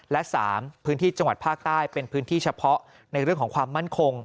และ๓พื้นที่จังหวัดภาคใต้เป็นพื้นที่เฉพาะในเรื่องของความมั่นคง